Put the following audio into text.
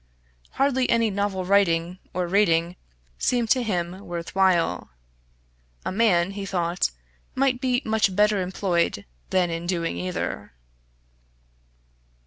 Hardly any novel writing, or reading, seemed to him worth while. A man, he thought, might be much better employed than in doing either.